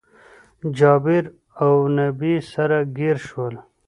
جابير اونبي سره ګير شول